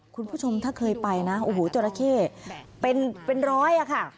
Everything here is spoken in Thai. คุณผู้ชมถ้าเคยไปนะโอ้โหจราเข้เป็นร้อยอะค่ะ